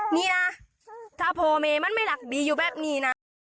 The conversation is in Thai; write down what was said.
นี่นะถ้าโพเมมันไม่หลักบีอยู่แบบนี้นะ